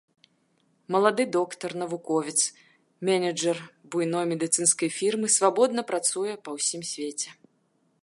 Малады доктар, навуковец, менеджар буйной медыцынскай фірмы свабодна працуе па ўсім свеце.